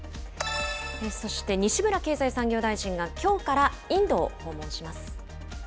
そして西村経済産業大臣が、きょうからインドを訪問します。